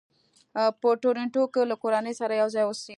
په ټورنټو کې له کورنۍ سره یو ځای اوسي.